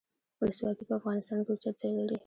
ولسواکي په افغانستان کې اوچت ځای لري.